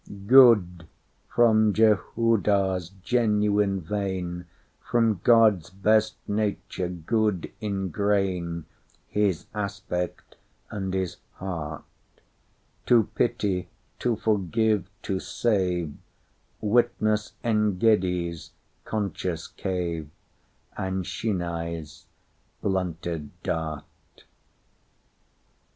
Good—from Jehudah's genuine vein, From God's best nature, good in grain, His aspect and his heart:To pity, to forgive, to save, Witness En gedi's conscious cave, And Shimei's blunted dart.